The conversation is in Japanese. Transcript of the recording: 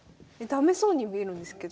駄目そうに見えるんですけど。